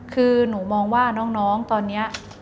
คือหนูมองว่าน้องตอนนี้